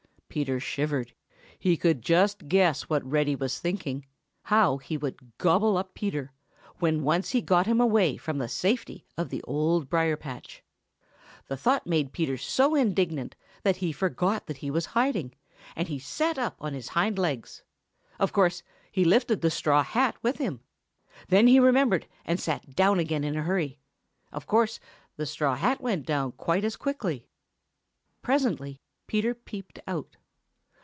Peter shivered. He could just guess what Reddy was thinking how he would gobble up Peter, when once he got him away from the safety of the Old Briar patch. The thought made Peter so indignant that he forgot that he was hiding, and he sat up on his hind legs. Of course, he lifted the straw hat with him. Then he remembered and sat down again in a hurry. Of course, the straw hat went down quite as quickly. Presently Peter peeped out.